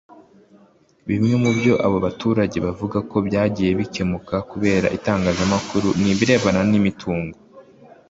Bimwe mu byo abo baturage bavuga ko byagiye bikemuka kubera itangazamakuru ni ibirebana n’imitungo